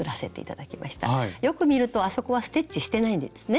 よく見るとあそこはステッチしてないんですね。